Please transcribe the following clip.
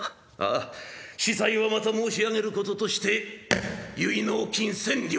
あ子細はまた申し上げることとして結納金千両」。